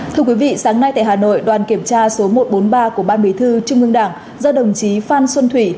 thưa quý vị sáng nay tại hà nội đoàn kiểm tra số một trăm bốn mươi ba của ban bí thư trung ương đảng do đồng chí phan xuân thủy